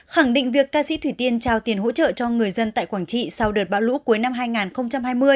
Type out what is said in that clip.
khẳng định việc ca sĩ thủy tiên trao tiền hỗ trợ cho người dân tại quảng trị sau đợt bão lũ cuối năm hai nghìn hai mươi